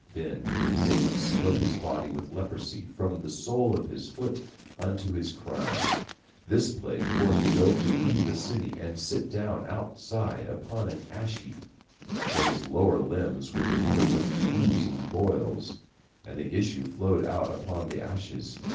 Then Satan smote his body with leprosy from the sole of his foot unto his crown. This plague forced Job to leave the city, and sit down outside upon an ash heap, for his lower limbs were covered with oozing boils, and the issue flowed out upon the ashes.